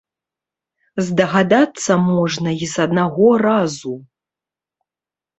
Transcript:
Здагадацца можна і з аднаго разу.